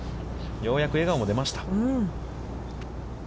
ようやく笑顔も出ました。